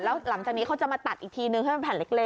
แล้วหลังจากนี้เขาจะมาตัดอีกทีนึงให้เป็นแผ่นเล็ก